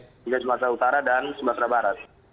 sehingga sumatera utara dan sumatera barat